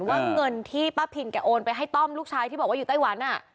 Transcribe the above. ว่าเงินที่ป้าพินแกโอนไปให้ต้อมลูกชายที่บอกว่าอยู่ไต้หวัน